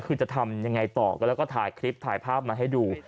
คือจะทำยังไงต่อก็แล้วก็ถ่ายคลิปถ่ายภาพมาให้ดู